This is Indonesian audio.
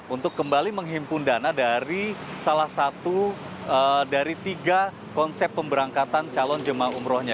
untuk kembali menghimpun dana dari salah satu dari tiga konsep pemberangkatan calon jemaah umrohnya